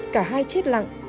cả hai chết lặng